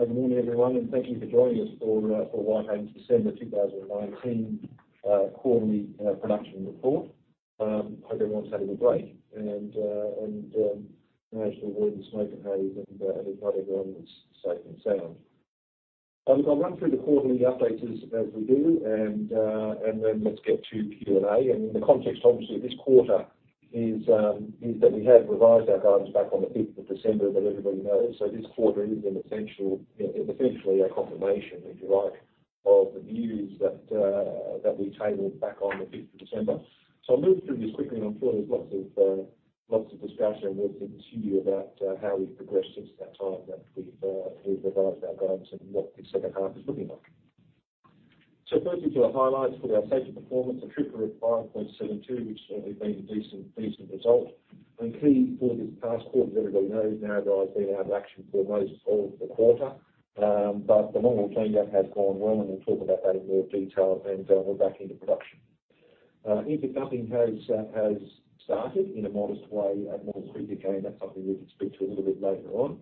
Good morning, everyone, and thank you for joining us for Whitehaven's December 2019 Quarterly Production Report. I hope everyone's had a good break and managed to avoid the smoke and haze, and I hope everyone was safe and sound. I'll run through the quarterly updates as we do, and then let's get to Q&A, and the context, obviously, of this quarter is that we have revised our guidance back on the 5th of December, as everybody knows, so this quarter is essentially a confirmation, if you like, of the views that we've tabled back on the 5th of December, so I'll move through this quickly, and I'm sure there's lots of discussion within the studio about how we've progressed since that time that we've revised our guidance and what the second half is looking like. Firstly, to the highlights for our sector performance, a TRIFR of 5.72, which certainly has been a decent result. Key for this past quarter, as everybody knows, Narrabri was out of action for most of the quarter, but the longwall change-out has gone well, and we'll talk about that in more detail, and we're back into production. In-pit dumping has started in a modest way at Maules Creek again. That's something we can speak to a little bit later on.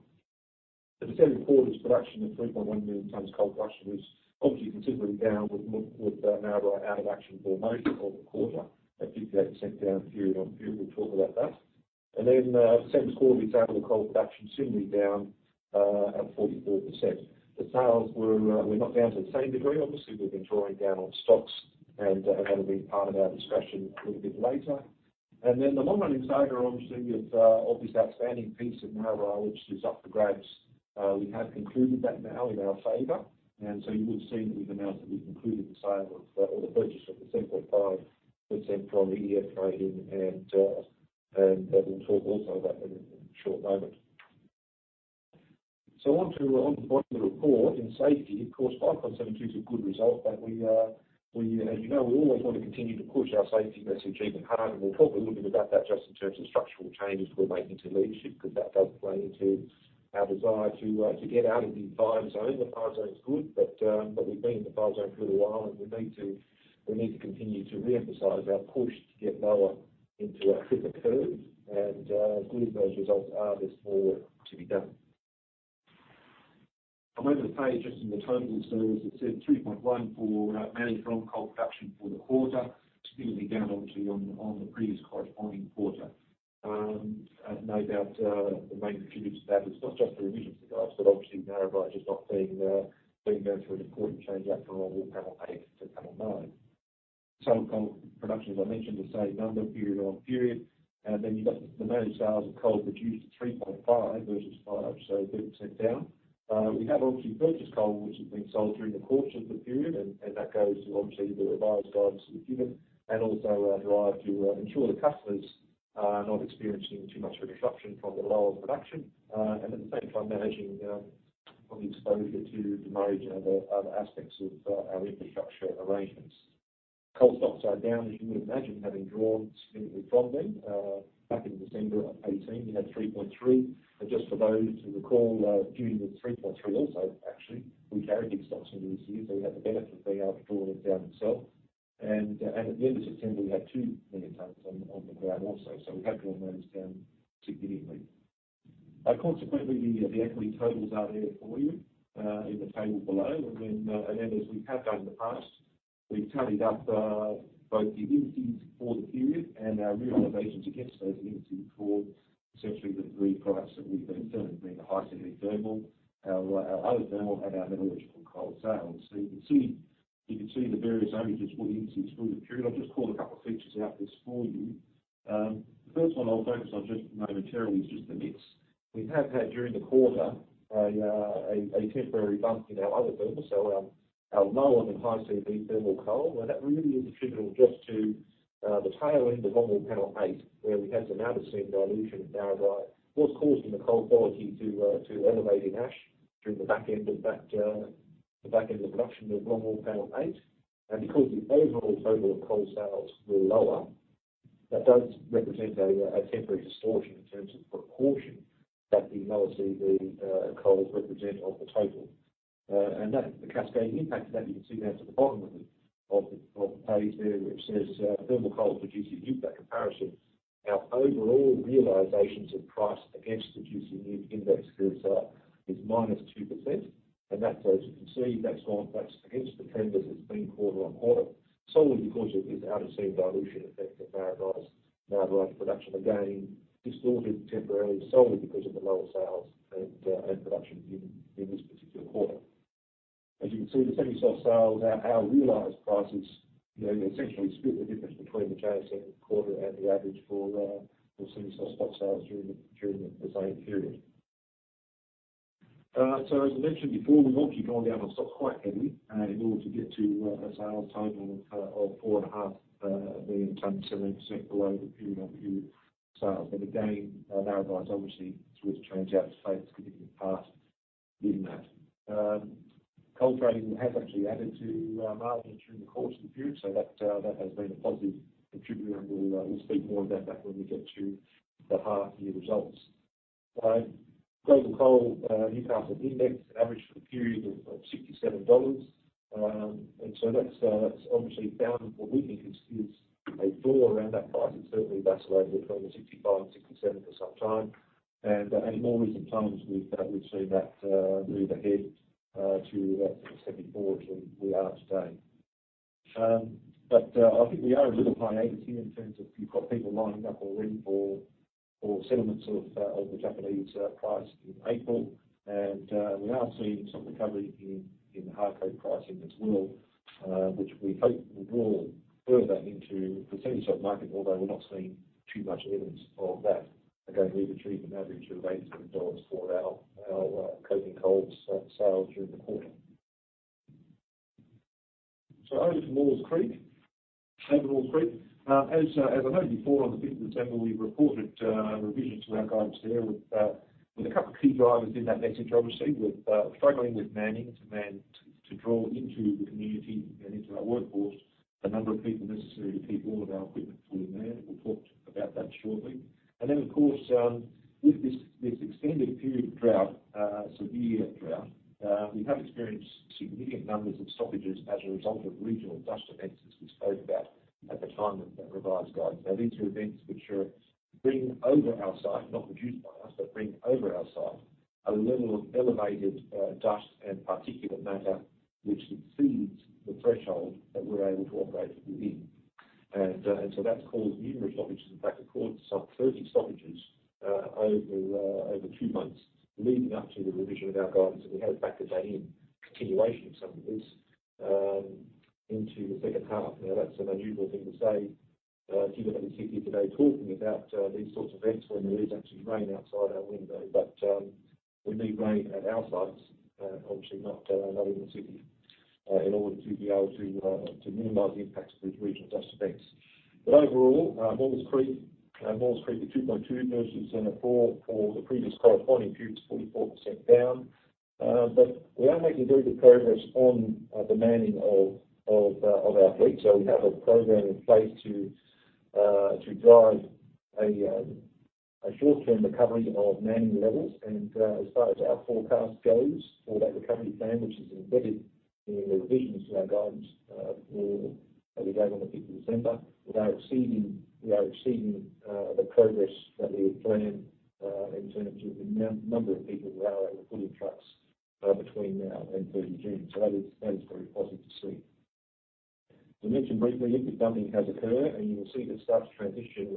The December quarter's production of 3.1 million tonnes of coal production was obviously considerably down with Narrabri out of action for most of the quarter, a 58% down period-on-period. We'll talk about that. The December quarter's tonnage of coal production is similarly down at 44%. The sales were not down to the same degree, obviously. We've been drawing down on stocks, and that'll be part of our discussion a little bit later, and then the long-running saga, obviously, of this outstanding piece of Narrabri, which is up for grabs. We have concluded that now in our favor, and so you would have seen that we've announced that we've concluded the sale of, or the purchase of the 7.5% from EDF Trading, and we'll talk also about that in a short moment, so onto the body of the report in safety, of course, 5.72 is a good result, but as you know, we always want to continue to push our safety message even harder, and we'll talk a little bit about that just in terms of structural changes we're making to leadership because that does play into our desire to get out of the fire zone. The TRIFR's good, but we've been in the TRIFR zone for a little while, and we need to continue to reemphasize our push to get lower into our TRIFR curve. As good as those results are, there's more to be done. I'll move to the page just in the totals, and as I said, 3.1 for managed ROM coal production for the quarter, significantly down on the previous corresponding quarter. No doubt the main contributor to that is not just the revision of the guidance, but obviously Narrabri just not being there for an important change-out from our longwall Panel eight to Panel nine. Coal production, as I mentioned, the same number, period-on-period, and then you've got the managed sales of coal produced at 3.5 versus 5, so 30% down. We have obviously purchased coal, which has been sold during the course of the period, and that goes to obviously the revised guidance that we've given and also our drive to ensure the customers are not experiencing too much a disruption from the lower production, and at the same time managing the exposure to damage and other aspects of our infrastructure arrangements. Coal stocks are down, as you would imagine, having drawn significantly from them. Back in December 2018, we had 3.3, and just for those to recall, June was 3.3 also, actually, we carried these stocks into this year, so we had the benefit of being able to draw it down ourselves. And at the end of September, we had 2 million tonnes on the ground also, so we have drawn those down significantly. Consequently, the equity totals are there for you in the table below, and then as we have done in the past, we've tallied up both the indices for the period and our realisations against those indices for essentially the three products that we've been selling, being the high-CV thermal, our other thermal, and our metallurgical coal sales. So you can see the various averages for the indices for the period. I'll just call a couple of features out there for you. The first one I'll focus on just momentarily is just the mix. We have had during the quarter a temporary bump in our other thermal, so our lower than high-CV thermal coal, and that really is attributable just to the tail end of longwall panel eight, where we had some out-of-seam dilution of Narrabri. What's causing the coal quality to elevate in ash during the back end of the production of Longwall Panel eight? And because the overall total of coal sales were lower, that does represent a temporary distortion in terms of proportion that the semi-soft coals represent of the total. And the cascading impact of that, you can see down to the bottom of the page there, which says thermal coal for gC NEWC, that comparison, our overall realizations of price against the gC NEWC index is -2%, and that, as you can see, that's against the trend as it's been quarter-on-quarter, solely because of this out-of-seam dilution effect of narrowed our production again, distorted temporarily, solely because of the lower sales and production in this particular quarter. As you can see, the semi-soft sales, our realized prices essentially split the difference between the change-out quarter and the average for semi-soft spot sales during the same period. So as I mentioned before, we've obviously drawn down on stocks quite heavily in order to get to a sales total of 4.5 million tonnes, 78% below the period-on-period sales, but again, our sales narrowed obviously through the change-out phase significantly past mid-March. Coal trading has actually added to margin during the course of the period, so that has been a positive contributor, and we'll speak more about that when we get to the half-year results. globalCOAL Newcastle Index averaged $67 for the period, and so that's obviously found what we think is a floor around that price. It's certainly vacillated between $65 and 67 for some time, and at more recent times, we've seen that move ahead to $74 as we are today. But I think we are a little high, I see, in terms of you've got people lining up already for settlements of the Japanese price in April, and we are seeing some recovery in the hard coking coal pricing as well, which we hope will draw further into the semi-soft market, although we're not seeing too much evidence of that. Again, we've achieved an average of $87 for our coking coal sales during the quarter. So over to Maules Creek. As I noted before, on the 5th of December, we reported revisions to our guidance there with a couple of key drivers in that message, obviously, struggling with manning to draw into the community and into our workforce the number of people necessary to keep all of our equipment fully manned. We'll talk about that shortly. And then, of course, with this extended period of drought, severe drought, we have experienced significant numbers of stoppages as a result of regional dust events, as we spoke about at the time of that revised guidance. Now, these are events which bring over our site, not produced by us, but bring over our site a level of elevated dust and particulate matter which exceeds the threshold that we're able to operate within. And so that's caused numerous stoppages. In fact, we've caused some 30 stoppages over two months, leading up to the revision of our guidance that we had back today in continuation of some of this into the second half. Now, that's an unusual thing to say. If you look at the city today talking about these sorts of events when there is actually rain outside our window, but we need rain at our sites, obviously not in the city, in order to be able to minimize the impacts of these regional dust events. But overall, Maules Creek, Maules Creek at 2.2 versus 4 for the previous corresponding period, it's 44% down. But we are making very good progress on the manning of our fleet, so we have a program in place to drive a short-term recovery of manning levels. As far as our forecast goes for that recovery plan, which is embedded in the revisions to our guidance as we go on the 5th of December, we are exceeding the progress that we had planned in terms of the number of people we are able to put in trucks between now and 30 June. So that is very positive to see. As I mentioned briefly, if the dumping has occurred, and you will see this start to transition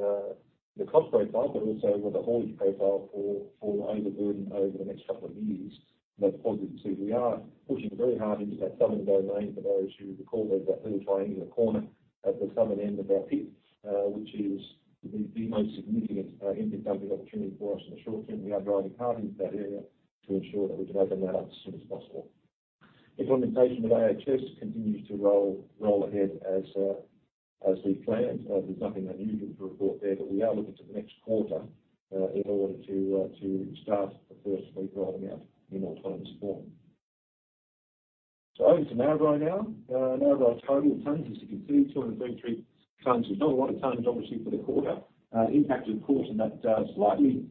the cost profile, but also the haulage profile for overburden over the next couple of years, that is positive to see. We are pushing very hard into that southern domain for those who recall there is that little triangular corner at the southern end of our pit, which is the most significant in-pit dumping opportunity for us in the short term. We are driving hard into that area to ensure that we can open that up as soon as possible. Implementation of AHS continues to roll ahead as we've planned. There's nothing unusual to report there, but we are looking to the next quarter in order to start the first fleet rolling out in autonomous form. So over to Narrabri now. Narrabri total of tonnes, as you can see, 233 tonnes. There's not a lot of tonnes, obviously, for the quarter. Impact, of course, in that slightly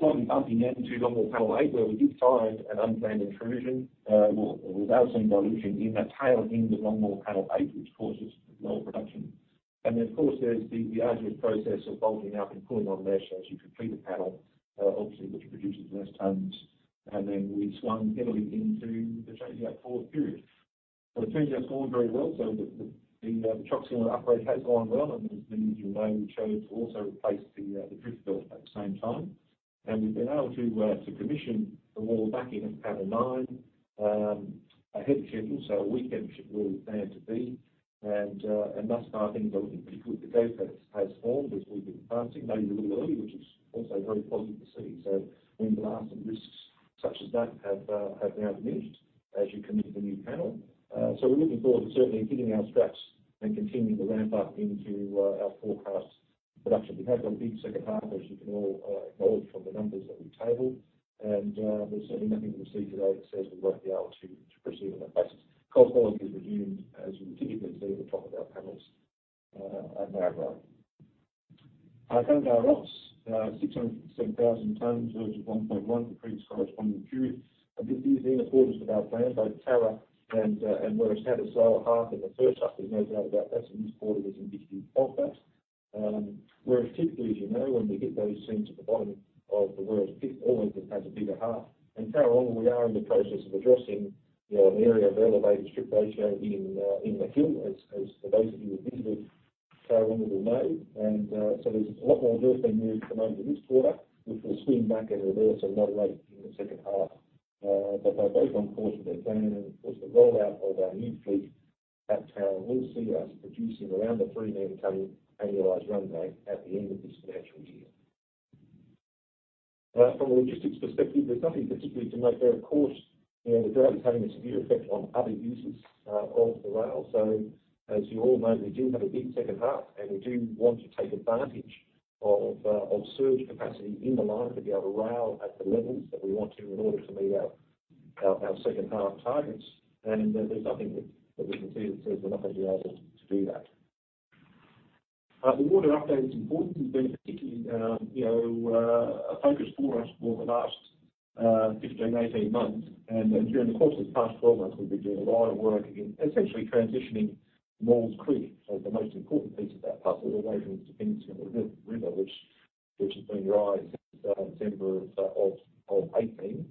bumpy end to Longwall Panel eight, where we did find an unplanned intrusion, out-of-seam dilution in that tail end of Longwall Panel eight, which causes lower production. And then, of course, there's the arduous process of bolting up and pulling on mesh as you complete a panel, obviously, which produces less tonnes, and then we swung heavily into the change-out for the period. So the change-out's gone very well, so the chock shielding upgrade has gone well, and as many of you know, we chose to also replace the drift belt at the same time. And we've been able to commission the wall back in at Panel nine, ahead of schedule, so a week ahead of schedule than it had to be. And thus far, things are looking pretty good. The goaf has formed as we've been advancing, maybe a little early, which is also very positive to see. So whilst some risks such as that have now diminished as you commence the new panel. So we're looking forward to certainly hitting our straps and continuing to ramp up into our forecast production. We have got a big second half, as you can all acknowledge from the numbers that we've tabled, and there's certainly nothing we'll see today that says we won't be able to proceed on that basis. Coal quality has resumed, as you would typically see at the top of our panels at Narrabri. Narrabri Ops, 657,000 tonnes versus 1.1 for the previous corresponding period. This is in accordance with our plan. Both Tarrawonga and Werris Creek had a slower half in the first half. There's no doubt about that. So this quarter was indeed of that. Werris Creek, typically, as you know, when we hit those seams at the bottom of the Werris Creek pit, always has a bigger half. Tarrawonga, we are in the process of addressing the area of elevated strip ratio in the hill, as for those of you who visited Tarrawonga, will know. So there's a lot more work being moved at the moment in this quarter, which will swing back and reverse and moderate in the second half. But they're both on course with their plan, and of course, the rollout of our new fleet at Tarrawonga will see us producing around the 3 million tonnes annualized run rate at the end of this financial year. From a logistics perspective, there's nothing particularly to make there. Of course, the drought is having a severe effect on other uses of the rail. So as you all know, we do have a big second half, and we do want to take advantage of surge capacity in the line to be able to rail at the levels that we want to in order to meet our second half targets. And there's nothing that we can see that says we're not going to be able to do that. The water update's importance has been a particularly focus for us for the last 15, 18 months, and during the course of the past 12 months, we've been doing a lot of work in essentially transitioning Maules Creek, the most important piece of that puzzle, away from its dependency on the river, which has been dry since December of 2018.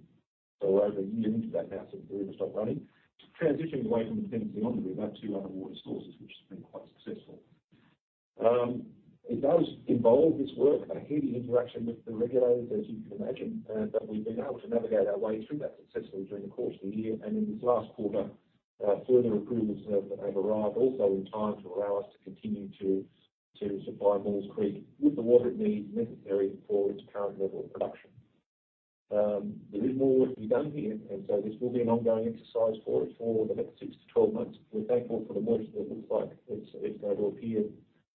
We're over a year into that now since the river stopped running, transitioning away from dependency on the river to other water sources, which has been quite successful. It does involve this work a heavy interaction with the regulators, as you can imagine, but we've been able to navigate our way through that successfully during the course of the year. And in this last quarter, further approvals have arrived, also in time to allow us to continue to supply Maules Creek with the water it needs necessary for its current level of production. There is more work to be done here, and so this will be an ongoing exercise for it for the next 6-12 months. We're thankful for the work that looks like it's going to appear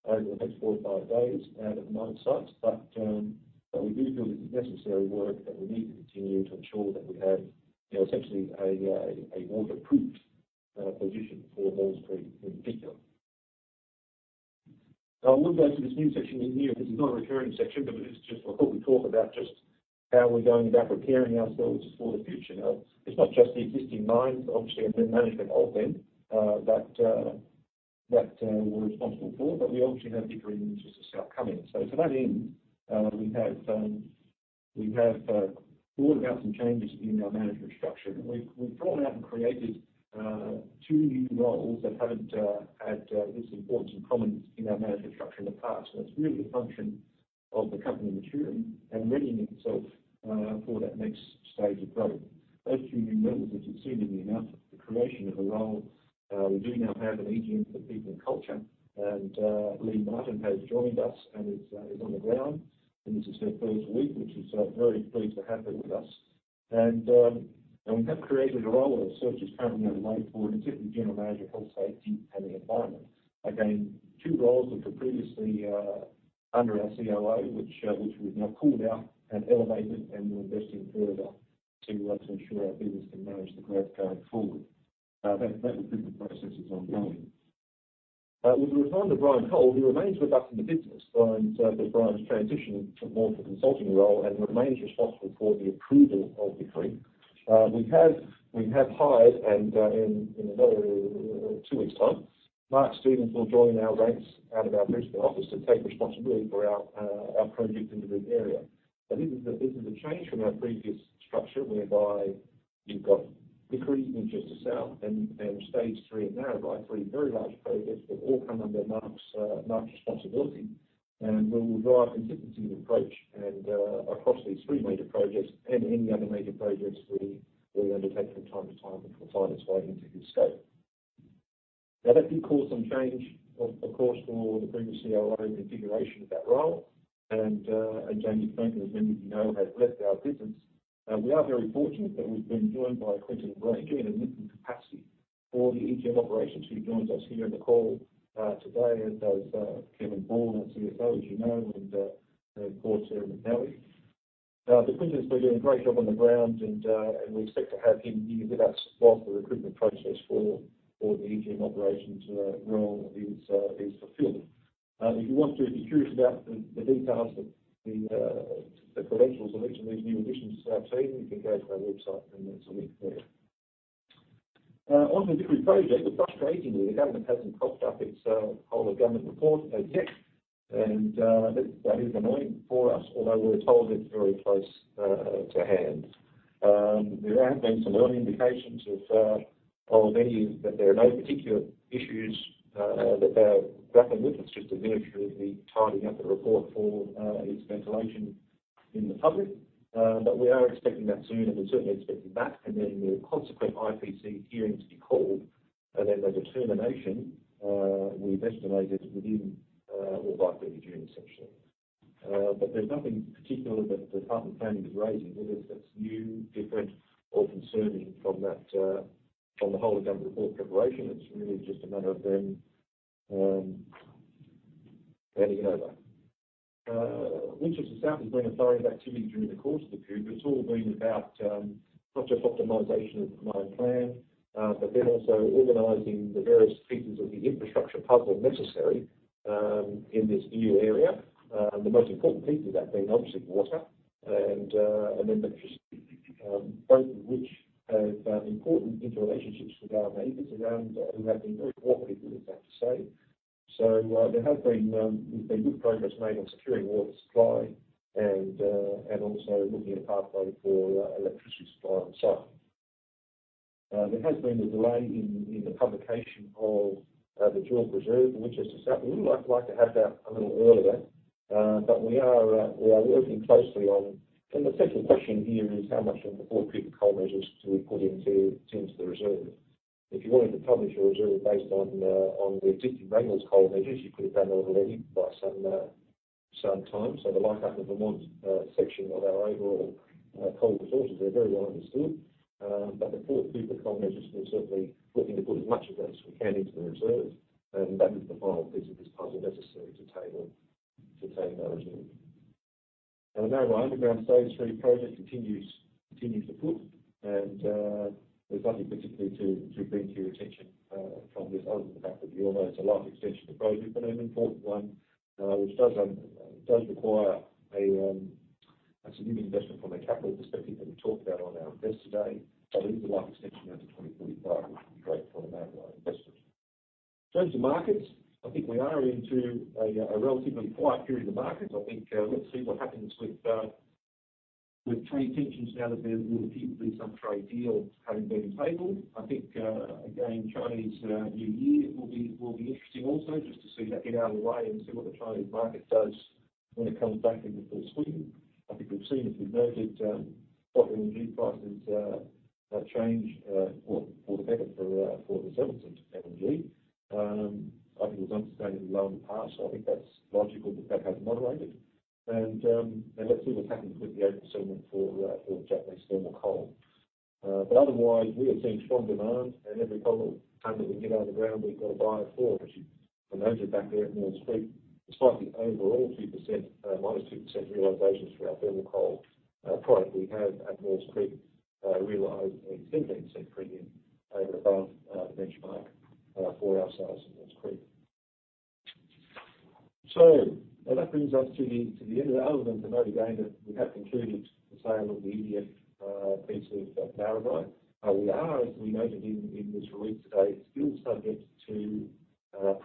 over the next four or five days at the mine sites, but we do feel this is necessary work that we need to continue to ensure that we have essentially a waterproofed position for Maules Creek in particular. Now, I will go to this new section in here. This is not a recurring section, but it's just, I thought we'd talk about just how we're going about preparing ourselves for the future. Now, it's not just the existing mines, obviously, and then management of them that we're responsible for, but we obviously have different interests to start coming. So to that end, we have brought about some changes in our management structure. We've drawn out and created two new roles that haven't had this importance and prominence in our management structure in the past. It's really the function of the company maturing and readying itself for that next stage of growth. Those two new roles have just seemed to be enough for the creation of a role. We do now have an Executive General Manager for People and Culture, and Leigh Martin has joined us and is on the ground. This is her first week, and we're very pleased to have her with us. We have created a role where the search is currently underway for an Executive General Manager of health, safety, and the environment. Again, two roles that were previously under our COO, which we've now pulled out and elevated and we're investing further to ensure our business can manage the growth going forward. That recruitment process is ongoing. We've returned to Brian Cole, who remains with us in the business and, as Brian's transitioned to a more consulting role and remains responsible for the approval of Maules Creek. We have hired, and in another two weeks' time, Mark Stevens will join our ranks out of our Brisbane office to take responsibility for our project in the red area. Now, this is a change from our previous structure whereby you've got Vickery, Winchester South, and Stage three, and Narrabri, three very large projects that all come under Mark's responsibility, and we'll drive consistency and approach across these three major projects and any other major projects we undertake from time to time until we find its way into his scope. Now, that did cause some change, of course, for the previous COO configuration of that role, and Jamie Frankcombe, as many of you know, has left our business. We are very fortunate that we've been joined by Quentin Granger in an increased capacity for the EGM Operations who joins us here in the call today, as does Kevin Ball, our CFO, as you know, and of course, Ian McAleese. But Quentin's been doing a great job on the ground, and we expect to have him here with us while the recruitment process for the EGM Operations role is fulfilled. If you want to, if you're curious about the details, the credentials of each of these new additions to our team, you can go to our website, and there's a link there. Onto the Vickery project, which, frustratingly, the government hasn't cocked up its Whole of Government Report yet, and that is annoying for us, although we're told it's very close to hand. There have been some early indications of that there are no particular issues that they're grappling with. It's just administratively tidying up the report for its publication in the public. But we are expecting that soon, and we're certainly expecting that. And then the consequent IPC hearing to be called, and then the determination we've estimated within or by 30 June, essentially. But there's nothing particular that the Department of Planning is raising with us that's new, different, or concerning from the whole of government report preparation. It's really just a matter of them handing it over. Winchester South has been a flurry of activity during the course of the period, but it's all been about not just optimization of the mine plan, but then also organising the various pieces of the infrastructure puzzle necessary in this new area. The most important piece of that being, obviously, water and electricity, both of which have important interrelationships with our neighbors around who have been very cooperative, it's hard to say. So there has been good progress made on securing water supply and also looking at a pathway for electricity supply on site. There has been a delay in the publication of the JORC Reserve for Winchester South. We would have liked to have that a little earlier, but we are working closely on. And the central question here is how much of the Fort Cooper Coal Measures do we put into the reserve? If you wanted to publish a reserve based on the existing Rangal Coal Measures, you could have done that already by now. So the light upper Vermont section of our overall coal resources are very well understood. But the Fort Cooper Coal Measures will certainly look into putting as much of that as we can into the reserve, and that is the final piece of this puzzle necessary to table our reserve. The Narrabri underground Stage three project continues to progress, and there's nothing particularly to bring to your attention from this, other than the fact that you all know it's a life extension of the project, but an important one, which does require a significant investment from a capital perspective that we talked about on our investor day. It is a life extension out to 2045, which would be great for the Narrabri investment. In terms of markets, I think we are into a relatively quiet period of the market. I think let's see what happens with trade tensions now that there appears to be some trade deals having been tabled. I think, again, Chinese New Year will be interesting also, just to see that get out of the way and see what the Chinese market does when it comes back into full swing. I think we've seen, as we've noted, oil and gas prices change for the better for the sales of LNG. I think it was unsustainably low in the past, so I think that's logical that that has moderated, and let's see what's happened with the April settlement for Japanese thermal coal, but otherwise, we are seeing strong demand, and every coal tonne that we can get out of the ground, we've got to buy it for. As you can notice back there at Maules Creek, despite the overall -2% realizations for our thermal coal product, we have at Maules Creek realized a 17% premium over above the benchmark for our sales at Maules Creek. So that brings us to the end of that. Other than to note again that we have concluded the sale of the EDF piece of Narrabri. We are, as we noted in this release today, still subject to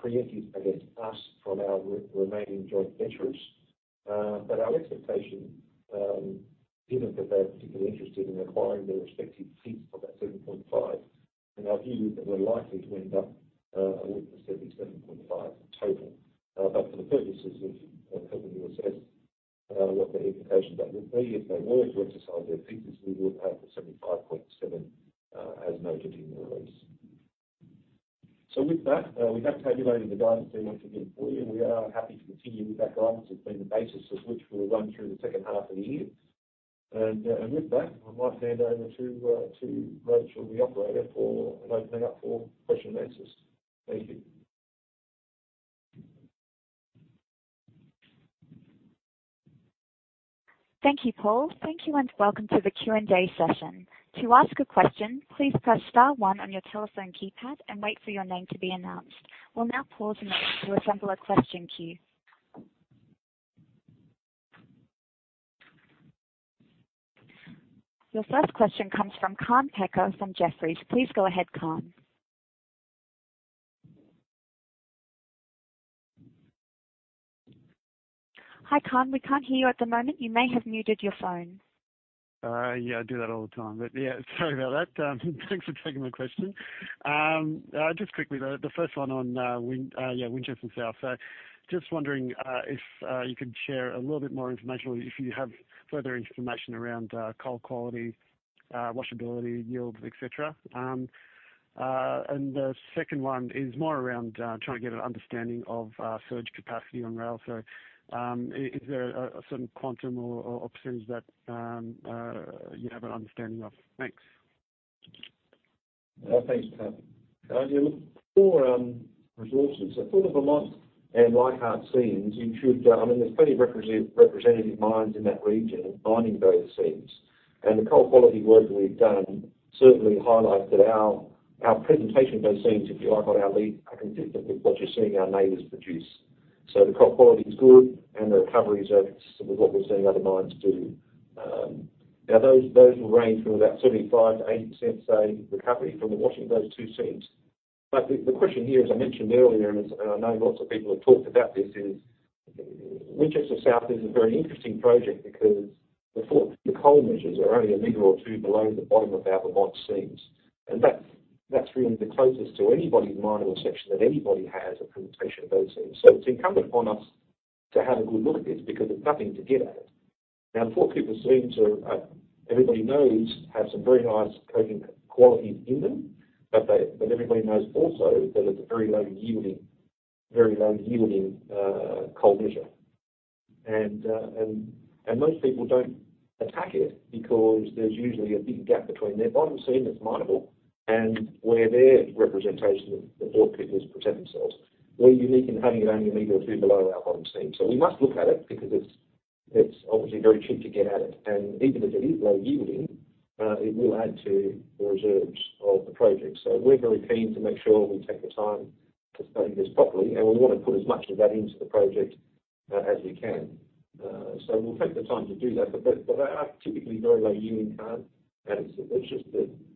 pre-empts against us from our remaining joint venturers. But our expectation isn't that they're particularly interested in acquiring their respective piece of that 7.5, and our view is that we're likely to end up with the 77.5 total. But for the purposes of helping you assess what the implications that would be, if they were to exercise their pieces, we would have the 75.7, as noted in the release. So with that, we have tabulated the guidance we want to give for you, and we are happy to continue with that guidance. It's been the basis of which we'll run through the second half of the year. With that, I might hand over to Rachel, the operator, for an opening up for question and answers. Thank you. Thank you, Paul. Thank you, and welcome to the Q&A session. To ask a question, please press star one on your telephone keypad and wait for your name to be announced. We'll now pause a minute to assemble a question queue. Your first question comes from Kaan Peker from Jefferies. Please go ahead, Kaan. Hi, Kaan. We can't hear you at the moment. You may have muted your phone. Yeah, I do that all the time. But yeah, sorry about that. Thanks for taking my question. Just quickly, the first one on Winchester South. So just wondering if you could share a little bit more information or if you have further information around coal quality, washability, yield, etc.? And the second one is more around trying to get an understanding of surge capacity on rail. So is there a certain quantum or percentage that you have an understanding of? Thanks. Thanks, Kaan. Looking for resources, sort of amongst like-hearted seams, you should—I mean, there's plenty of representative mines in that region mining those seams. And the coal quality work that we've done certainly highlights that our presentation of those seams, if you like, on our lead, are consistent with what you're seeing our neighbours produce. So the coal quality is good, and the recovery is consistent with what we're seeing other mines do. Now, those will range from about 75%-80%, say, recovery from the washing of those two seams. But the question here, as I mentioned earlier, and I know lots of people have talked about this, is Winchester South is a very interesting project because the Fort Cooper Coal Measures are only a meter or two below the bottom of our Vermont seams. And that's really the closest to anybody's minable section that anybody has a presentation of those seams. So it's incumbent upon us to have a good look at this because there's nothing to get at it. Now, the Fort Cooper Coal Measures everybody knows have some very nice coking qualities in them, but everybody knows also that it's a very low-yielding coal measures. And most people don't attack it because there's usually a big gap between their bottom seam that's minable and where their representation of the Fort Cooper is to protect themselves. We're unique in having it only a meter or two below our bottom seam. So we must look at it because it's obviously very cheap to get at it. And even if it is low-yielding, it will add to the reserves of the project. We're very keen to make sure we take the time to study this properly, and we want to put as much of that into the project as we can. We'll take the time to do that. But they are typically very low-yielding, Kevin. And it's just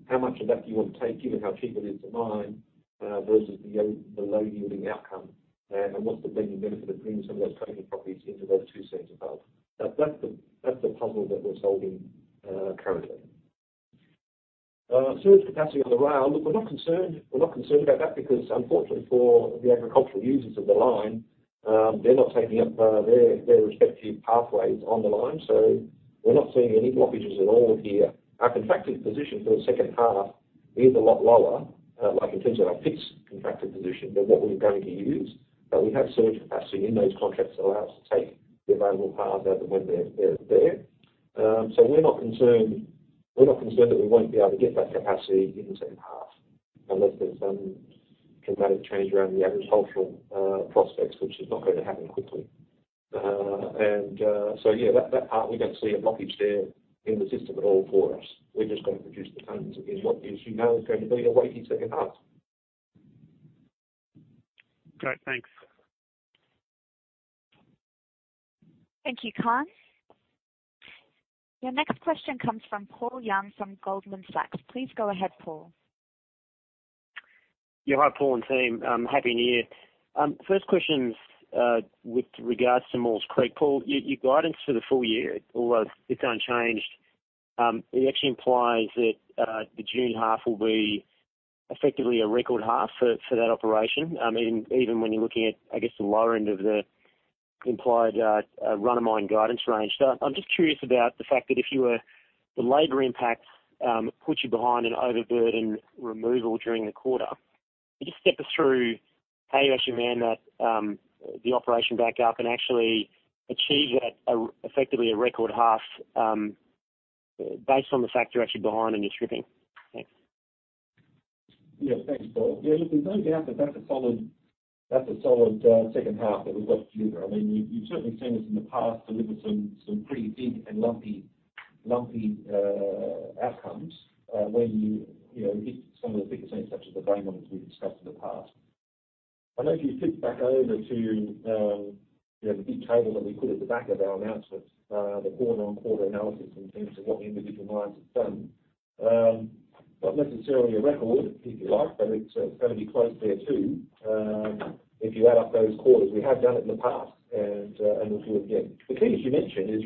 how much of that do you want to take, given how cheap it is to mine, versus the low-yielding outcome? And what's the benefit of bringing some of those coking properties into those two seams above? That's the puzzle that we're solving currently. Surge capacity on the rail, look, we're not concerned about that because, unfortunately, for the agricultural users of the line, they're not taking up their respective pathways on the line. We're not seeing any blockages at all here. Our contracted position for the second half is a lot lower, in terms of our fixed contracted position than what we're going to use. But we have surge capacity in those contracts that allow us to take the available path as and when they're there. So we're not concerned that we won't be able to get that capacity in the second half unless there's some dramatic change around the agricultural prospects, which is not going to happen quickly. And so yeah, that part, we don't see a blockage there in the system at all for us. We're just going to produce the tonnes, as you know, is going to be a weighty second half. Great. Thanks. Thank you, Kaan. Your next question comes from Paul Young from Goldman Sachs. Please go ahead, Paul. Yeah, hi, Paul and team. Happy New Year. First question with regards to Maules Creek. Paul, your guidance for the full year, although it's unchanged, it actually implies that the June half will be effectively a record half for that operation, even when you're looking at, I guess, the lower end of the implied run-of-mine guidance range. I'm just curious about the fact that if the labor impact puts you behind an overburden removal during the quarter, just step us through how you actually man that, the operation back up, and actually achieve effectively a record half based on the fact you're actually behind on your stripping. Thanks. Yeah, thanks, Paul. Yeah, look, there's no doubt that that's a solid second half that we've got to deliver. I mean, you've certainly seen us in the past deliver some pretty big and lumpy outcomes when you hit some of the thicker seams, such as the grain ones we've discussed in the past. I know if you flip back over to the big table that we put at the back of our announcements, the quarter-on-quarter analysis in terms of what the individual mines have done, not necessarily a record, if you like, but it's going to be close there too if you add up those quarters. We have done it in the past, and we'll do it again. The key, as you mentioned, is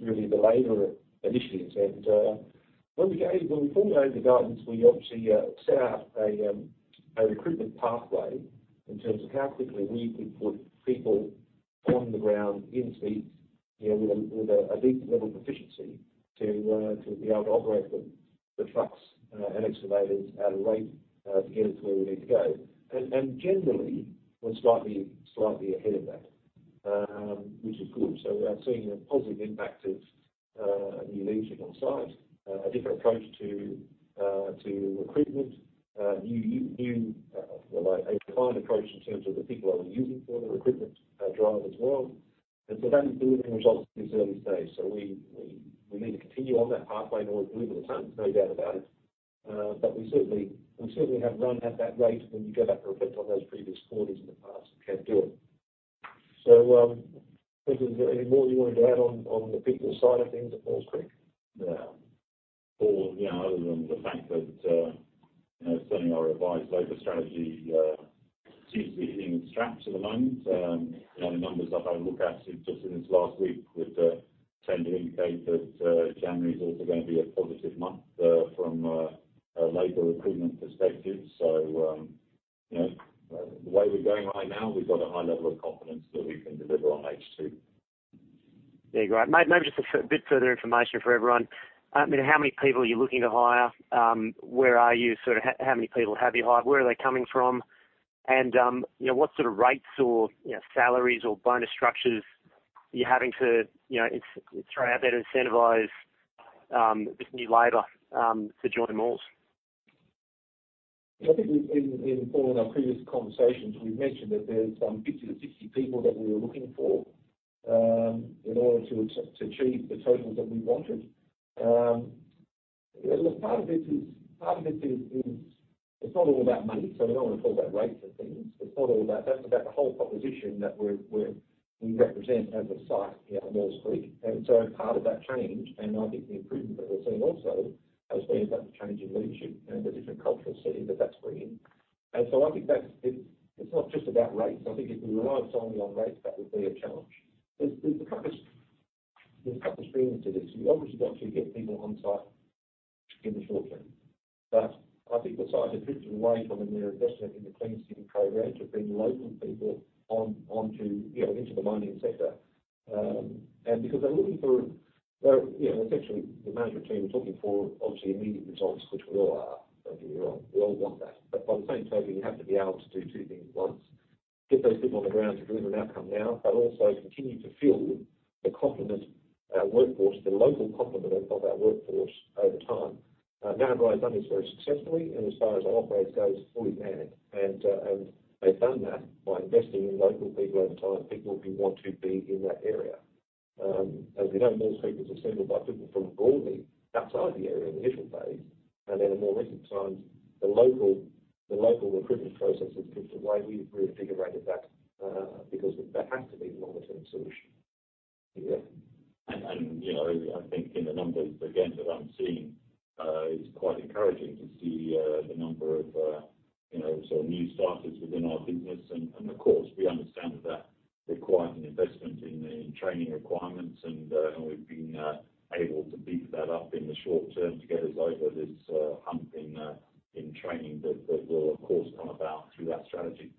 really the labor initiatives. When we formulated the guidance, we obviously set out a recruitment pathway in terms of how quickly we could put people on the ground in seats with a decent level of efficiency to be able to operate the trucks and excavators at a rate to get us where we need to go. And generally, we're slightly ahead of that, which is good. So we are seeing a positive impact of new leadership on site, a different approach to recruitment, a refined approach in terms of the people that we're using for the recruitment drive as well. And so that is delivering results at this early stage. So we need to continue on that pathway in order to deliver the tonnes, no doubt about it. But we certainly have run at that rate when you go back and reflect on those previous quarters in the past and can't do it. So Quentin, is there anything more you wanted to add on the people side of things at Maules Creek? No. Paul, other than the fact that certainly our revised labor strategy seems to be hitting its strap at the moment. The numbers I've had a look at just in this last week would tend to indicate that January is also going to be a positive month from a labor recruitment perspective. So the way we're going right now, we've got a high level of confidence that we can deliver on H2. There you go. Maybe just a bit further information for everyone. How many people are you looking to hire? Where are you? How many people have you hired? Where are they coming from? And what sort of rates or salaries or bonus structures are you having to try to better incentivise this new labour to join Maules Creek? I think in all of our previous conversations, we've mentioned that there's some 50-60 people that we were looking for in order to achieve the totals that we wanted. Look, part of it is it's not all about money, so we don't want to talk about rates and things. It's not all about that. It's about the whole proposition that we represent as a site here at Maules Creek. And so part of that change, and I think the improvement that we're seeing also, has been about the change in leadership and the different cultural setting that that's bringing. And so I think it's not just about rates. I think if we rely solely on rates, that would be a challenge. There's a couple of strings to this. You've obviously got to get people on site in the short term. But I think the site has drifted away from their investment in the Cleanskin program to bring local people into the mining sector. And because they're looking for essentially the management team we're talking to, obviously, immediate results, which we all are. Don't get me wrong. We all want that. But by the same token, you have to be able to do two things at once: get those people on the ground to deliver an outcome now, but also continue to fill the local complement of our workforce over time. Narrabri has done this very successfully, and as far as our operators go, it's fully manned. And they've done that by investing in local people over time, people who want to be in that area. As we know, Maules Creek was assembled by people from broadly outside the area in the initial phase. And then in more recent times, the local recruitment process has drifted away. We've reinvigorated that because that has to be the longer-term solution. Yeah. And I think in the numbers, again, that I'm seeing, it's quite encouraging to see the number of sort of new starters within our business. And of course, we understand that that required an investment in training requirements, and we've been able to beef that up in the short term to get us over this hump in training that will, of course, come about through that strategy.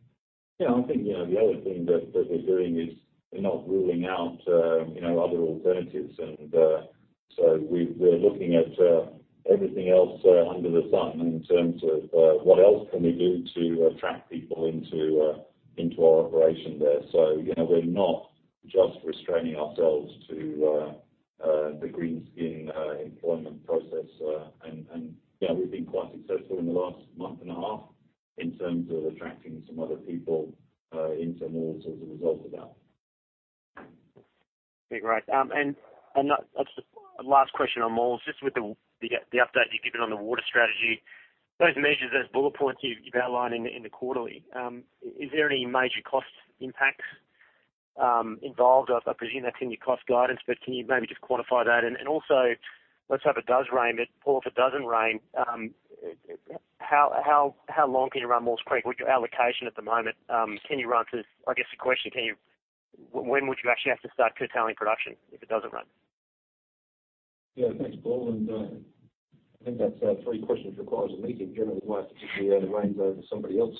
Yeah, I think the other thing that we're doing is we're not ruling out other alternatives. And so we're looking at everything else under the sun in terms of what else can we do to attract people into our operation there. So we're not just restraining ourselves to the cleanskin employment process. We've been quite successful in the last month and a half in terms of attracting some other people into Maules Creek as a result of that. There you go. And last question on Maules, just with the update you've given on the water strategy, those measures as bullet points you've outlined in the quarterly, is there any major cost impacts involved? I presume that's in your cost guidance, but can you maybe just quantify that? And also, let's say if it does rain, but Paul, if it doesn't rain, how long can you run Maules Creek? What's your allocation at the moment? Can you run to—I guess the question—when would you actually have to start curtailing production if it doesn't rain? Yeah, thanks, Paul. And I think that's three questions requires a meeting. Generally, we'd like to just see how the rain's over somebody else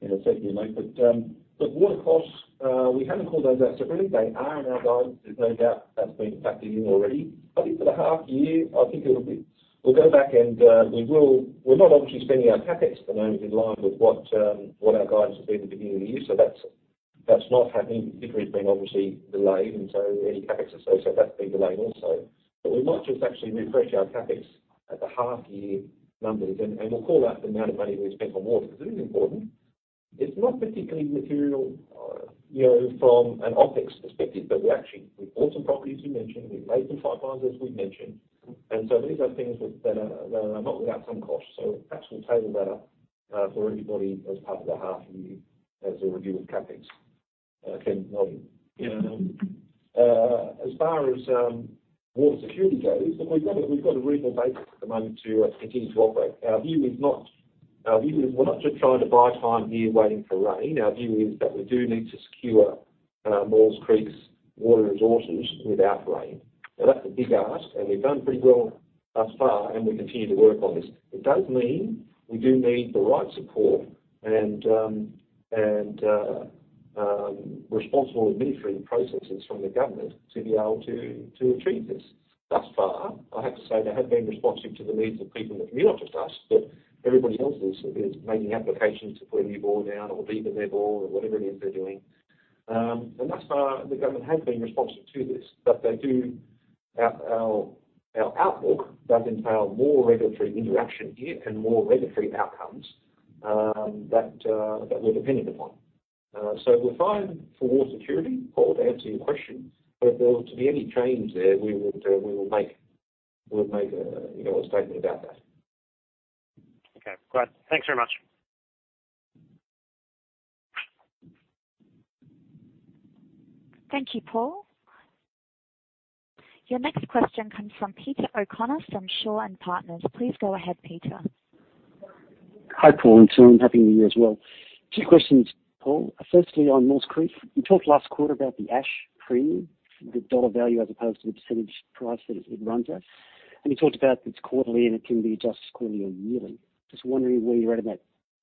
in a second, you know. But water costs, we haven't called those out separately. They are in our guidance. There's no doubt that's been factored in already. I think for the half year, I think it will be—we'll go back, and we're not obviously spending our CapEx at the moment in line with what our guidance has been at the beginning of the year. So that's not happening. Iterate's been obviously delayed, and so any CapEx associated with that's been delayed also. But we might just actually refresh our CapEx at the half-year numbers, and we'll call out the amount of money we've spent on water because it is important. It's not particularly material from an optics perspective, but we've bought some properties we mentioned. We've made some pipelines, as we've mentioned, and so these are things that are not without some cost, so perhaps we'll table that up for everybody as part of the half-year as a review of CapEx. Kevin, maybe. As far as water security goes, look, we've got a reasonable basis at the moment to continue to operate. Our view is not, we're not just trying to buy time here waiting for rain. Our view is that we do need to secure Maules Creek's water resources without rain. Now, that's a big ask, and we've done pretty well thus far, and we continue to work on this. It does mean we do need the right support and responsible administrative processes from the government to be able to achieve this. Thus far, I have to say they have been responsive to the needs of people in the community, not just us, but everybody else is making applications to put a new bore down or deepen their bore or whatever it is they're doing, and thus far, the government has been responsive to this, but our outlook does entail more regulatory interaction here and more regulatory outcomes that we're dependent upon, so we're fine for water security, Paul, to answer your question, but if there were to be any change there, we will make a statement about that. Okay. Great. Thanks very much. Thank you, Paul. Your next question comes from Peter O'Connor from Shaw and Partners. Please go ahead, Peter. Hi, Paul, and Tim. Happy New Year as well. Two questions, Paul. Firstly, on Maules Creek, you talked last quarter about the ash premium, the dollar value as opposed to the percentage price that it runs at. And you talked about it's quarterly, and it can be adjusted quarterly or yearly. Just wondering where you're at in that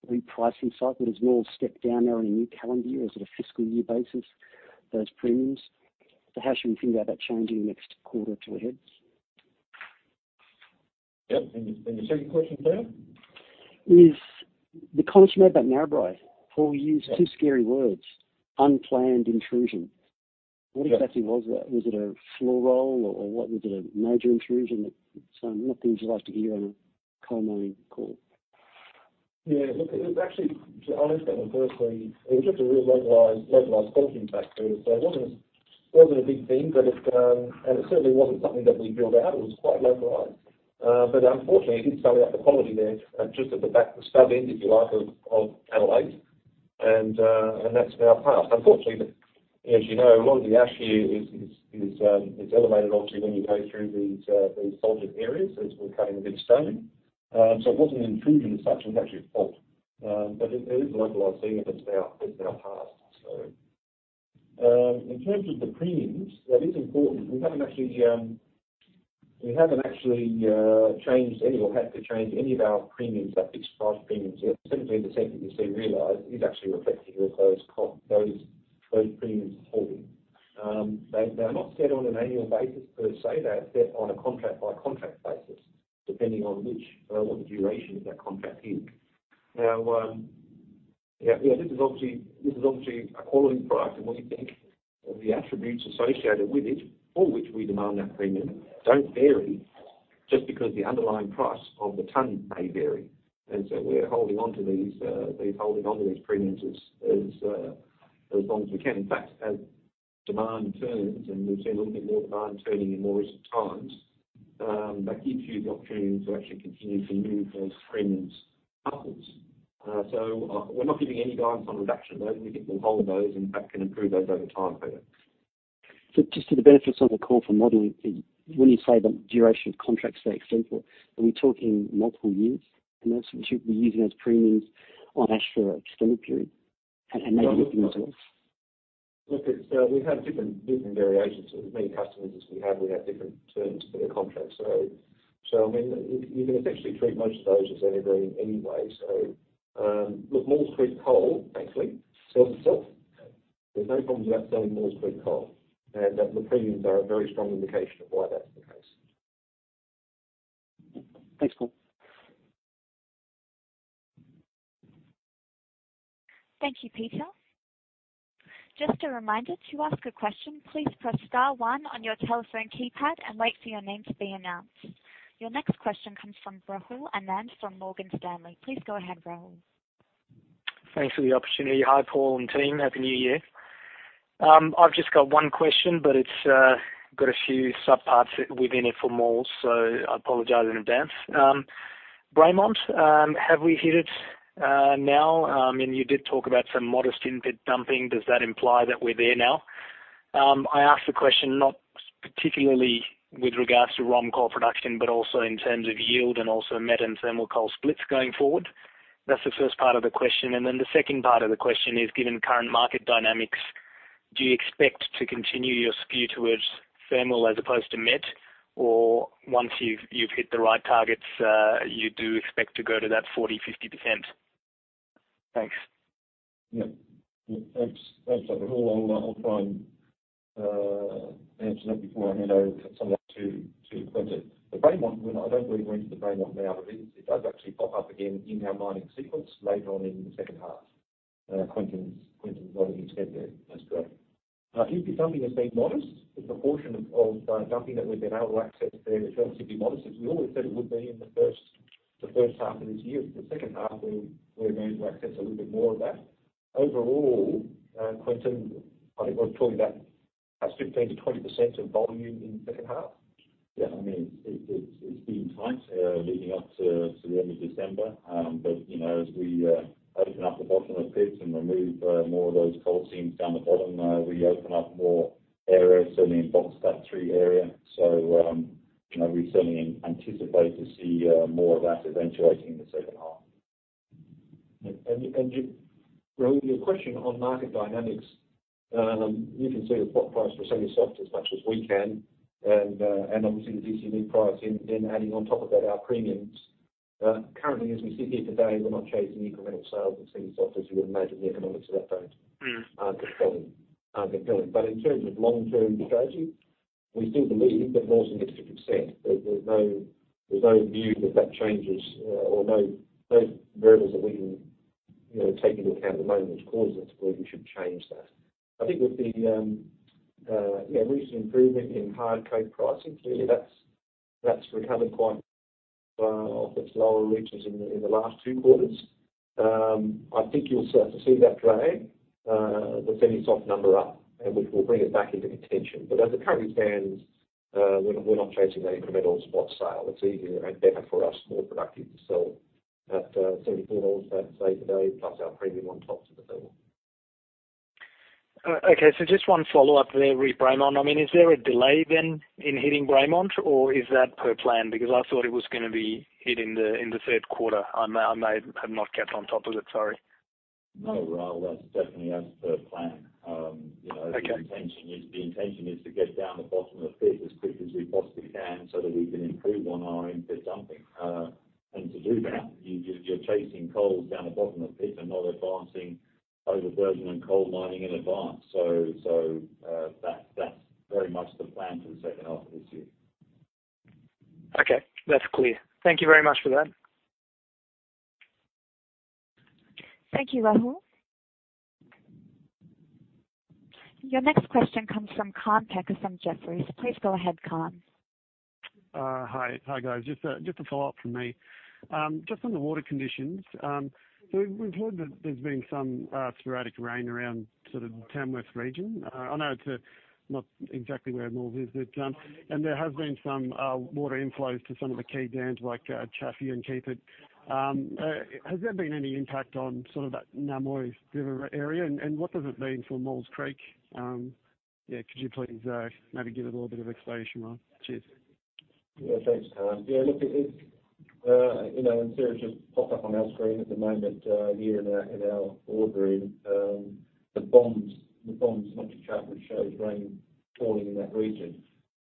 repricing cycle. Has Maules stepped down now on a new calendar year, or is it a fiscal year basis, those premiums? So how should we think about that change in the next quarter to ahead? Yeah. And your second question, Peter? The commentary about Narrabri, Paul, you used two scary words: out-of-seam dilution. What exactly was that? Was it a floor roll, or was it a major intrusion? Some of the things you'd like to hear on a coal mining call. Yeah. Look, it was actually, to be honest, I got one personally. It was just a real localized quality impact, Peter. So it wasn't a big thing, and it certainly wasn't something that we blew out. It was quite localized. But unfortunately, it did blow out the quality there just at the back, the stub end, if you like, of the longwall. And that's now passed. Unfortunately, as you know, a lot of the ash here is elevated obviously when you go through these silted areas, as we're cutting a bit of stone. So it wasn't an intrusion as such. It was actually a fault. But it is a localized thing, and it's now passed, so. In terms of the premiums, that is important. We haven't actually changed any or had to change any of our premiums, our fixed price premiums. That 17% that you see realized is actually reflected with those premiums holding. They are not set on an annual basis-per-se. They are set on a contract-by-contract basis, depending on what the duration of that contract is. Now, yeah, this is obviously a quality product, and we think the attributes associated with it, for which we demand that premium, don't vary just because the underlying price of the ton may vary. And so we're holding onto these premiums as long as we can. In fact, as demand turns, and we've seen a little bit more demand turning in more recent times, that gives you the opportunity to actually continue to move those premiums upwards. So we're not giving any guidance on reduction of those. We think we'll hold those and, in fact, can improve those over time, Peter. So, just to the benefits on the call for modeling, when you say the duration of contracts stay extendable, are we talking multiple years? And those, should we be using as premiums on ash for an extended period? And maybe looking into those. Look, so we have different variations. As many customers as we have, we have different terms for the contract. So I mean, you can essentially treat most of those as evergreen anyway. So look, Maules Creek Coal, thankfully, sells itself. There's no problems about selling Maules Creek Coal. And the premiums are a very strong indication of why that's the case. Thanks, Paul. Thank you, Peter. Just a reminder, to ask a question, please press star one on your telephone keypad and wait for your name to be announced. Your next question comes from Rahul Anand from Morgan Stanley. Please go ahead, Rahul. Thanks for the opportunity. Hi, Paul and Team. Happy New Year. I've just got one question, but it's got a few subparts within it for Maules, so I apologize in advance. Vermont Seam, have we hit it now? I mean, you did talk about some modest in-pit dumping. Does that imply that we're there now? I asked the question not particularly with regards to ROM coal production, but also in terms of yield and also met and thermal coal splits going forward. That's the first part of the question. And then the second part of the question is, given current market dynamics, do you expect to continue your skew towards thermal as opposed to met, or once you've hit the right targets, you do expect to go to that 40%-50%? Thanks. Yeah. Thanks, Rahul. I'll try and answer that before I hand over to Quentin. The Vermont, I don't believe we're into the Vermont now, but it does actually pop up again in our mining sequence later on in the second half. Quentin's not in his head there as to that. It'd be dumping a steep modest. The proportion of dumping that we've been able to access there is relatively modest. We always said it would be in the first half of this year. It's the second half where we're going to access a little bit more of that. Overall, Quentin, I think we're talking about perhaps 15%-20% of volume in the second half. Yeah. I mean, it's being tight leading up to the end of December. But as we open up the bottom of pits and remove more of those coal seams down the bottom, we open up more areas, certainly in Box Cut 3 area. So we certainly anticipate to see more of that eventuating in the second half. And Rahul, your question on market dynamics, you can see the spot price for semisoft as much as we can. And obviously, the semi price and adding on top of that our premiums. Currently, as we sit here today, we're not chasing incremental sales of semisoft, as you would imagine the economics of that aren't compelling. But in terms of long-term strategy, we still believe that more needs to be sent. There's no view that that changes or no variables that we can take into account at the moment which causes us to believe we should change that. I think with the recent improvement in hard coking pricing, clearly that's recovered quite off its lower reaches in the last two quarters. I think you'll certainly see that drag the semi-soft number up, which will bring it back into contention. But as it currently stands, we're not chasing that incremental spot sale. It's easier and better for us, more productive to sell at $74, say, today, plus our premium on top to the fill. Okay. So just one follow-up there, Vermont. I mean, is there a delay then in hitting Vermont, or is that per plan? Because I thought it was going to be hit in the third quarter. I may have not kept on top of it. Sorry. No, Rahul, that's definitely as per plan. The intention is to get to the bottom of the pit as quickly as we possibly can so that we can improve on our in-pit dumping, and to do that, you're chasing coal to the bottom of the pit and not advancing overburden coal mining in advance, so that's very much the plan for the second half of this year. Okay. That's clear. Thank you very much for that. Thank you, Rahul. Your next question comes from Kaan Peker from Jefferies. Please go ahead, Kaan. Hi. Hi, guys. Just a follow-up from me. Just on the water conditions, so we've heard that there's been some sporadic rain around sort of the Tamworth region. I know it's not exactly where Maules is, but there has been some water inflows to some of the key dams like Chaffey and Keepit. Has there been any impact on sort of that Namoi River area? And what does it mean for Maules Creek? Yeah. Could you please maybe give it a little bit of explanation on that? Cheers. Yeah. Thanks, Kaan. Yeah. Look, in terms of pop-up on our screen at the moment here in our boardroom, the BOM satellite shows rain falling in that region.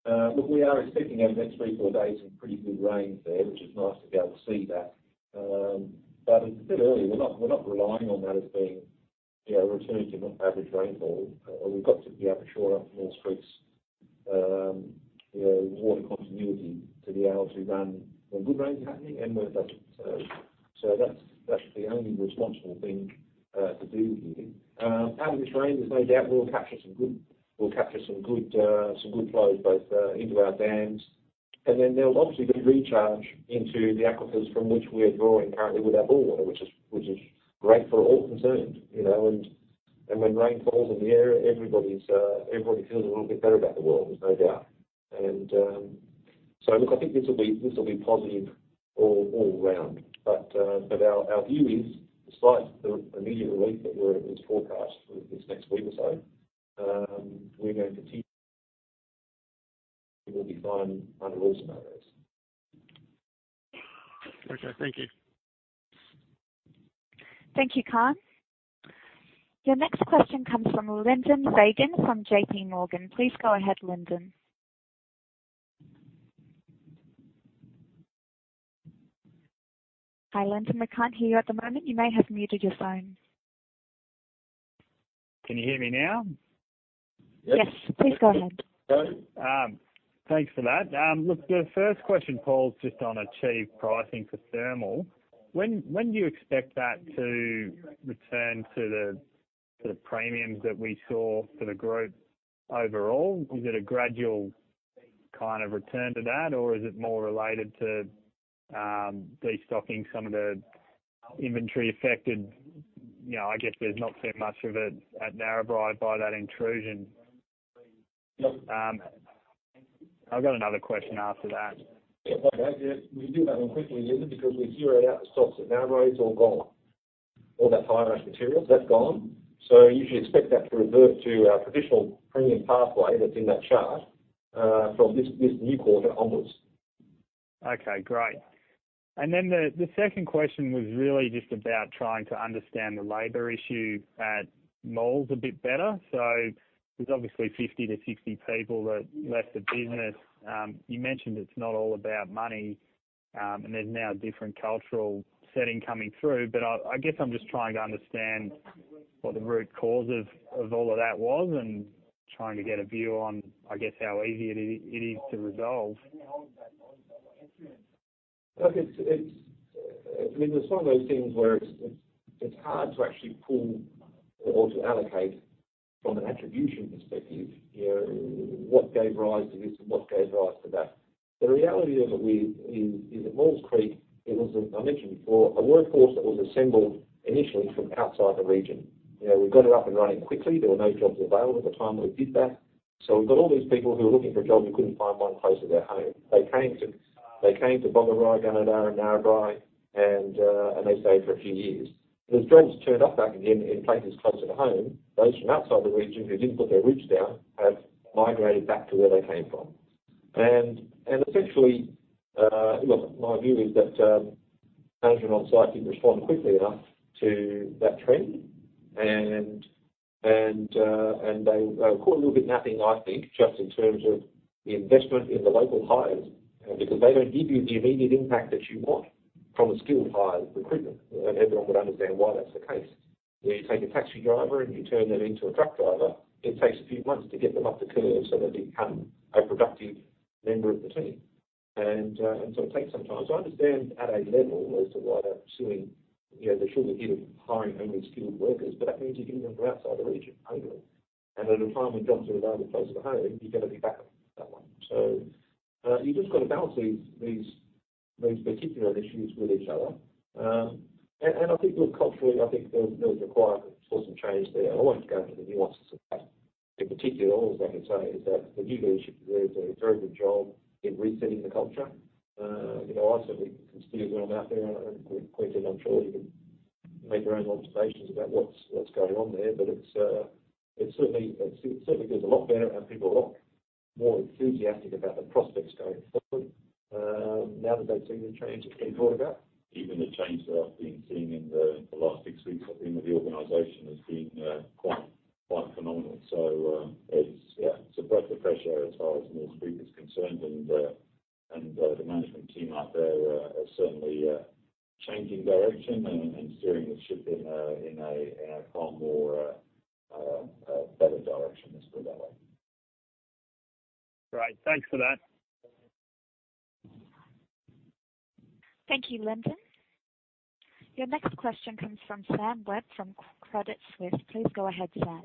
Look, we are expecting over the next three or four days some pretty good rains there, which is nice to be able to see that. But it's still early. We're not relying on that as being returned to average rainfall. We've got to be able to shore up Maules Creek's water continuity to be able to run when good rain's happening and when it doesn't. So that's the only responsible thing to do here. Average rain, there's no doubt we'll capture some good flows both into our dams. And then there'll obviously be recharge into the aquifers from which we're drawing currently with our borewater, which is great for all concerned. When rain falls in the area, everybody feels a little bit better about the world, there's no doubt. Look, I think this will be positive all around. Our view is, despite the immediate relief that is forecast for this next week or so, we're going to continue to be fine under all scenarios. Okay. Thank you. Thank you, Kaan. Your next question comes from Lyndon Fagan from JPMorgan. Please go ahead, Lyndon. Hi, Lyndon. We can't hear you at the moment. You may have muted your phone. Can you hear me now? Yes. Yes. Please go ahead. So thanks for that. Look, the first question, Paul, is just on achieved pricing for thermal. When do you expect that to return to the premiums that we saw for the group overall? Is it a gradual kind of return to that, or is it more related to destocking some of the inventory affected? I guess there's not too much of it at Narrabri by that intrusion. Yep. I've got another question after that. Yeah. We do have an equity limit because we zeroed out the stocks at Narrabri, it's all gone. All that high-ash material, that's gone. So you should expect that to revert to our traditional premium pathway that's in that chart from this new quarter onwards. Okay. Great. And then the second question was really just about trying to understand the labor issue at Maules a bit better. So there's obviously 50-60 people that left the business. You mentioned it's not all about money, and there's now a different cultural setting coming through. But I guess I'm just trying to understand what the root cause of all of that was and trying to get a view on, I guess, how easy it is to resolve. Okay. I mean, it's one of those things where it's hard to actually pull or to allocate from an attribution perspective what gave rise to this and what gave rise to that. The reality of it is at Maules Creek, it was, as I mentioned before, a workforce that was assembled initially from outside the region. We got it up and running quickly. There were no jobs available at the time we did that. So we've got all these people who were looking for a job who couldn't find one closer to their home. They came to Boggabri, Gunnedah, and Narrabri, and they stayed for a few years. Those jobs turned up back again in places closer to home. Those from outside the region who didn't put their roots down have migrated back to where they came from. And essentially, look, my view is that management on site didn't respond quickly enough to that trend. And they were caught a little bit napping, I think, just in terms of the investment in the local hires because they don't give you the immediate impact that you want from a skilled hire recruitment. Everyone would understand why that's the case. You take a taxi driver and you turn them into a truck driver, it takes a few months to get them up the curve so that they become a productive member of the team. And so it takes some time. So I understand at a level as to why they're pursuing the sugar hit of hiring only skilled workers, but that means you're getting them from outside the region only. And at a time when jobs are available closer to home, you're going to be back on that one. So you just got to balance these particular issues with each other. And I think, look, culturally, I think there was a requirement for some change there. I won't go into the nuances of that. In particular, all I can say is that the new leadership has done a very good job in resetting the culture. I certainly can steer them out there. Quentin, I'm sure you can make your own observations about what's going on there. But it certainly feels a lot better, and people are a lot more enthusiastic about the prospects going forward now that they've seen the change that's been brought about. Even the change that I've been seeing in the last six weeks at the end of the organization has been quite phenomenal. So it's a breath of fresh air as far as Maules Creek is concerned. The management team out there are certainly changing direction and steering the ship in a far more better direction, let's put it that way. Great. Thanks for that. Thank you, Lyndon. Your next question comes from Sam Webb from Credit Suisse. Please go ahead, Sam.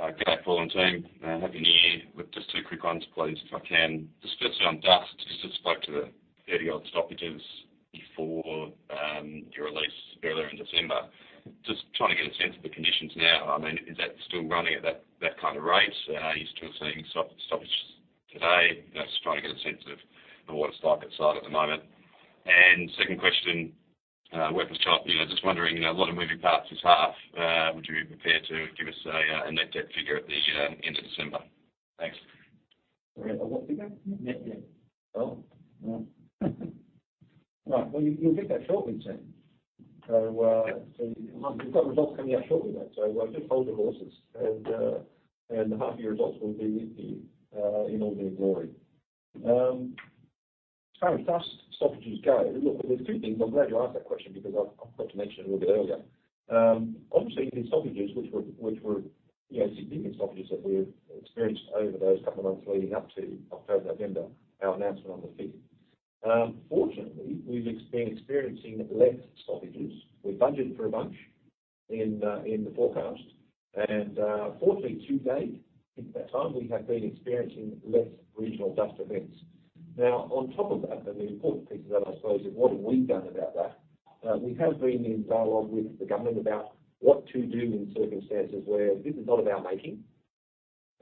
Okay. Paul and Team, happy New Year. Look, just two quick ones, please, if I can. Just on dust, you just spoke to the 30-odd stoppages before your release earlier in December. Just trying to get a sense of the conditions now. I mean, is that still running at that kind of rate? Are you still seeing stoppages today? Just trying to get a sense of what it's like outside at the moment, and second question, workers' comp, just wondering, a lot of moving parts this half. Would you be prepared to give us a net debt figure at the end of December? Thanks. Sorry. A what figure? Net debt. Oh. All right. Well, you'll get that shortly, Sam. So we've got results coming out shortly, though. So just hold your horses, and the half-year results will be with you in all their glory. As far as dust stoppages go, look, there's two things. I'm glad you asked that question because I forgot to mention it a little bit earlier. Obviously, the stoppages, which were significant stoppages that we experienced over those couple of months leading up to October, November, our announcement on the 5th. Fortunately, we've been experiencing less stoppages. We budgeted for a bunch in the forecast. And fortunately, to date, at that time, we have been experiencing less regional dust events. Now, on top of that, and the important piece of that, I suppose, is what have we done about that? We have been in dialogue with the government about what to do in circumstances where this is not in our making,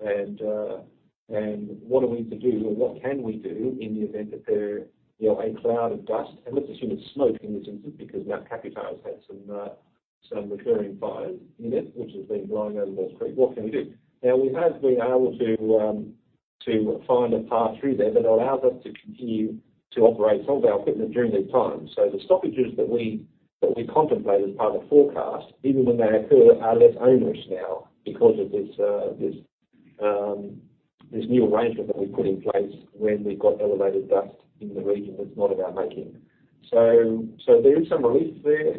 and what are we to do, or what can we do in the event that there are a cloud of dust, and let's assume it's smoke in this instance because Mount Kaputar has had some recurring fires in it, which has been blowing over Maules Creek. What can we do? Now, we have been able to find a path through there that allows us to continue to operate, some of our equipment during these times, so the stoppages that we contemplate as part of the forecast, even when they occur, are less onerous now because of this new arrangement that we've put in place when we've got elevated dust in the region that's not in our making. So there is some relief there,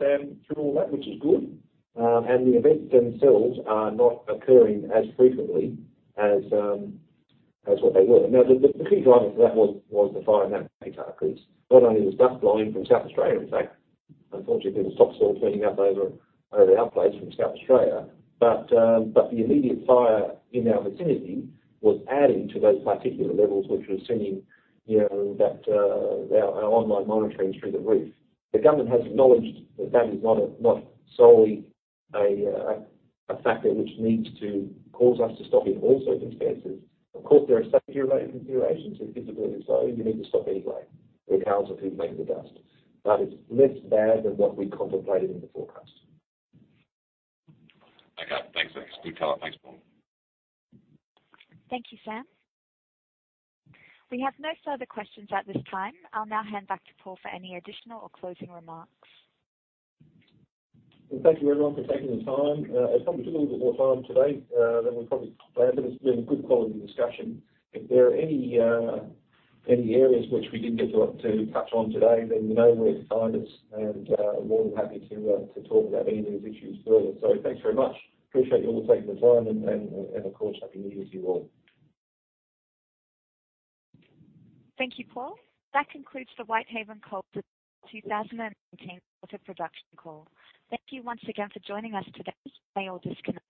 Sam, through all that, which is good. And the events themselves are not occurring as frequently as what they were. Now, the key driver for that was the fire in Mount Kaputar. Not only was dust blowing from South Australia, in fact, unfortunately, people's stocks are all turning up over our place from South Australia. But the immediate fire in our vicinity was adding to those particular levels, which was sending our online monitoring through the roof. The government has acknowledged that that is not solely a factor which needs to cause us to stop in all circumstances. Of course, there are safety-related considerations. If visibility is low, you need to stop anyway, regardless of who's making the dust. But it's less bad than what we contemplated in the forecast. Okay. Thanks, Leigh. It's good talk. Thanks, Paul. Thank you, Sam. We have no further questions at this time. I'll now hand back to Paul for any additional or closing remarks. Thank you, everyone, for taking the time. It probably took a little bit more time today than we probably planned, but it's been a good quality discussion. If there are any areas which we didn't get to touch on today, then you know where the time is, and we're more than happy to talk about any of these issues further. Thanks very much. Appreciate you all taking the time, and of course, happy New Year to you all. Thank you, Paul. That concludes the Whitehaven Coal 2019 Quarter Production Call. Thank you once again for joining us today. We may all disconnect.